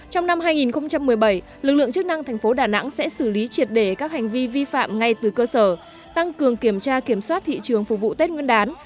trong năm hai nghìn một mươi bảy lực lượng chức năng thành phố đà nẵng sẽ xử lý triệt để các hành vi vi phạm ngay từ cơ sở tăng cường kiểm tra kiểm soát thị trường phục vụ tết nguyên đán